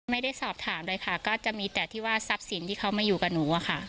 ไม่ได้สอบถามเลยค่ะก็จะมีแต่ที่ว่าทรัพย์สินที่เขามาอยู่กับหนูอะค่ะ